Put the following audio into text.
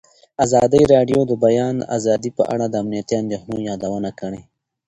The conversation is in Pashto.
ازادي راډیو د د بیان آزادي په اړه د امنیتي اندېښنو یادونه کړې.